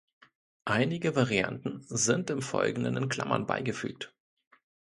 Einige Varianten sind im Folgenden in Klammern beigefügt.